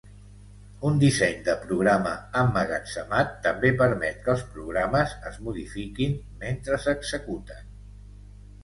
Un disseny de programa emmagatzemat també permet que els programes es modifiquin mentre s'executen.